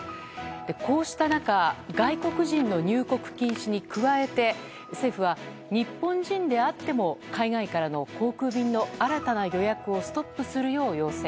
こうした中外国人の入国禁止に加えて政府は、日本人であっても海外からの航空便の新たな予約をストップするよう要請。